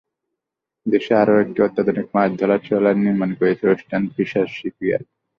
দেশে আরও একটি অত্যাধুনিক মাছ ধরার ট্রলার নির্মাণ করেছে ওয়েস্টার্ন ফিশার্স শিপইয়ার্ড।